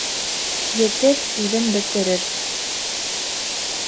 Етеҙ үҙен бөтөрөр